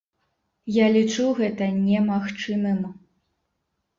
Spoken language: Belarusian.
Я лічу гэта немагчымым.